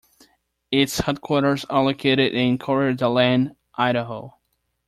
Its headquarters are located in Coeur d'Alene, Idaho.